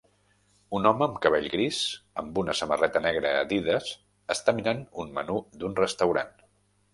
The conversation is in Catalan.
Un home amb cabell gris amb una samarreta negra Adidas està mirant un menú d'un restaurant.